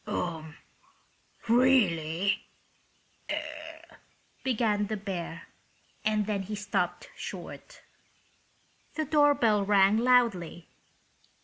"Really—" began the bear, and then he stopped short. The door bell rang loudly.